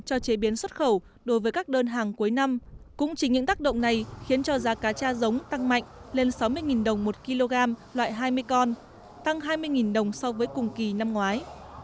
cho chế biến xuất khẩu đối với các đơn hàng cuối năm cũng chính những tác động này khiến cho giá cá cha giống tăng mạnh lên sáu mươi đồng một kg loại hai mươi con tăng hai mươi đồng so với cùng kỳ năm ngoái